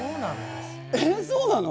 えっそうなの？